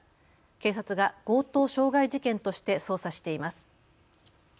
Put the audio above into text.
警察が強盗傷害事件として捜査しています。